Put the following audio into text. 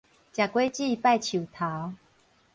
食果子拜樹頭